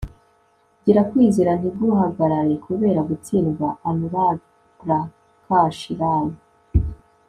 gira kwizera ntiguhagarare kubera gutsindwa. - anurag prakash ray